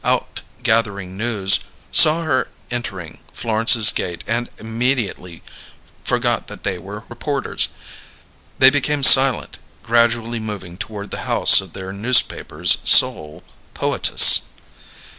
out gathering news, saw her entering Florence's gate, and immediately forgot that they were reporters. They became silent, gradually moving toward the house of their newspaper's sole poetess.